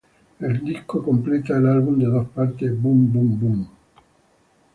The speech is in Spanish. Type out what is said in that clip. El disco completa el álbum de dos partes "Boom Boom Room".